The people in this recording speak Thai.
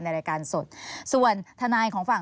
ในรายการสดส่วนทนายของฝั่ง